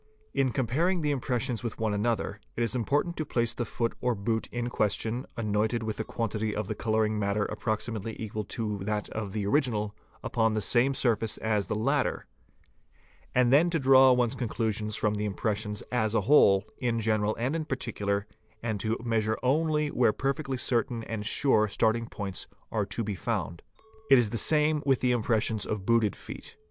| In comparing the impressions with one another, it is important to place the foot or boot in question, anointed with a quantity of the colour ing matter approximately equal to that of the original, upon the same surface as the latter; and then to draw one's conclusions from the impression as a whole, in general and in particular, and to measure only where perfectly certain and sure starting points are to be found. It is the same with the impressions of booted feet.